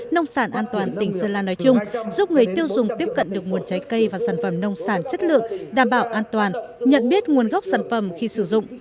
nông sản an toàn tỉnh sơn la nói chung giúp người tiêu dùng tiếp cận được nguồn trái cây và sản phẩm nông sản chất lượng đảm bảo an toàn nhận biết nguồn gốc sản phẩm khi sử dụng